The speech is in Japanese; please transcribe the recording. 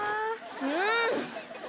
うん！